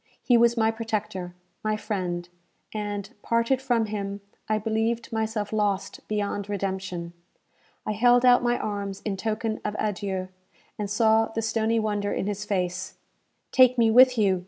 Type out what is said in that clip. He was my protector my friend; and, parted from him, I believed myself lost beyond redemption. I held out my arms in token of adieu, and saw the stony wonder in his face. "Take me with you!"